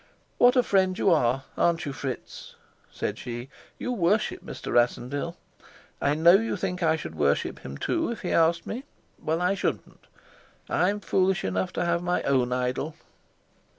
"What a friend you are, aren't you, Fritz?" said she. "You worship Mr. Rassendyll. I know you think I should worship him too, if he asked me. Well, I shouldn't. I am foolish enough to have my own idol."